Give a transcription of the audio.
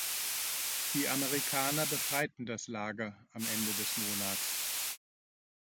Die Amerikaner befreiten das Lager am Ende des Monats.